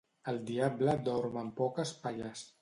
El diable dorm amb poques palles.